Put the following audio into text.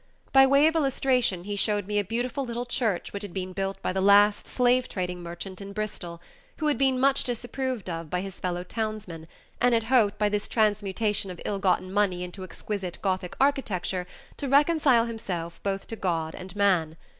By way of illustration he showed me a beautiful little church which had been built by the last slave trading merchant in Bristol, who had been much disapproved of by his fellow townsmen and had hoped by this transmutation of ill gotten money into exquisite Gothic architecture to reconcile himself both to God and man.